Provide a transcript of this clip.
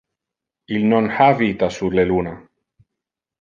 Il non ha vita sur le luna.